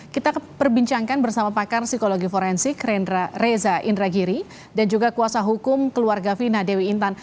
kita perbincangkan bersama pakar psikologi forensik reza indragiri dan juga kuasa hukum keluarga fina dewi intan